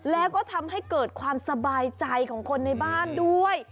แล้วก็ทำให้เกิดความสบายใจของคนในบ้านด้วย